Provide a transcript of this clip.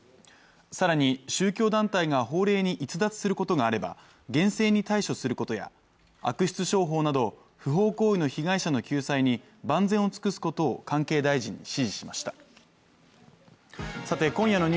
さらに宗教団体が法令に逸脱することがあれば厳正に対処することや悪質商法など不法行為の被害者の救済に万全を尽くすことを関係大臣に指示しました今夜の「ｎｅｗｓ２３」は